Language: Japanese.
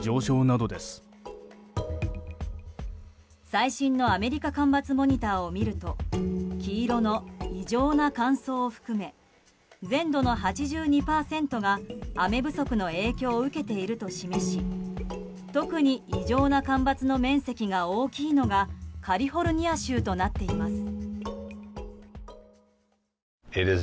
最新のアメリカ干ばつモニターを見ると黄色の異常な乾燥を含め全土の８２％が雨不足の影響を受けていると示し特に異常な干ばつの面積が大きいのがカリフォルニア州となっています。